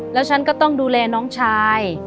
แล้วฉันก็ต้องดูแลน้องชาย